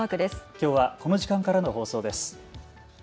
きょうはこの時間からの放送です。